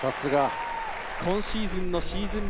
今シーズンのシーズン